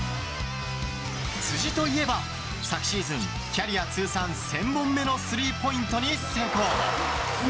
辻といえば、昨シーズンキャリア通算１０００本目のスリーポイントに成功。